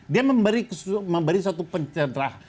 dia memberi satu pencerahan